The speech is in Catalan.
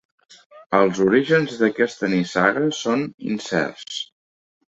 Els orígens d'aquesta nissaga són incerts.